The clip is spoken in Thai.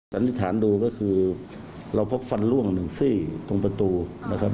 สันนิษฐานดูก็คือเราพบฟันล่วงหนึ่งซี่ตรงประตูนะครับ